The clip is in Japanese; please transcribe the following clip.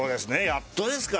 やっとですからね。